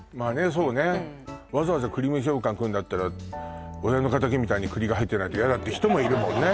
そうねわざわざ栗蒸し羊羹食うんだったら親のかたきみたいに栗が入ってないとヤダって人もいるもんね